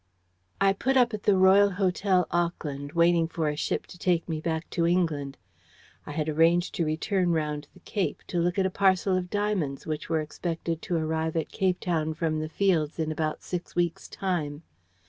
"I put up at the Royal hotel, Auckland, waiting for a ship to take me back to England. I had arranged to return round the Cape, to look at a parcel of diamonds which were expected to arrive at Capetown from the fields in about six weeks' time.